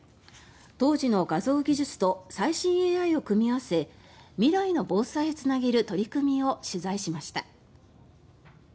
当時の画像技術と最新ＡＩを組み合わせ未来の防災へつなげる取り組みを取材しました。